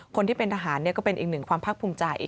คนที่เป็นทหารก็เป็นอีกหนึ่งความภาคภูมิใจ